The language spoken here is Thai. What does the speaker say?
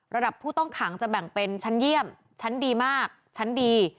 ผู้ต้องขังจะแบ่งเป็นชั้นเยี่ยมชั้นดีมากชั้นดี